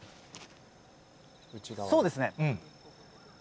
そうですね。